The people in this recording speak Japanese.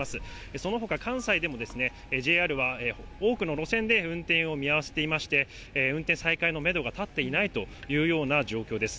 そのほか、関西でもＪＲは多くの路線で運転を見合わせていまして、運転再開のメドが立っていないというような状況です。